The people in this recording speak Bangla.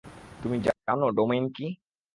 তুমি জানো ডোমেইন কী?